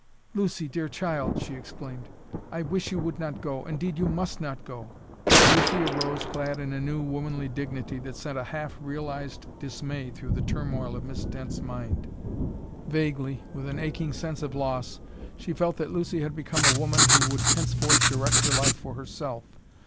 "Lucy, dear child!" she exclaimed, "I wish you would not go. Indeed, you must not go!" Lucy arose, clad in a new womanly dignity that sent a half realized dismay through the turmoil of Miss Dent's mind. Vaguely, with an aching sense of loss, she felt that Lucy had become a woman who would henceforth direct her life for herself.